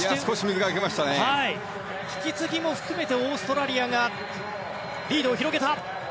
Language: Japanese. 引き継ぎも含めてオーストラリアがリードを広げた。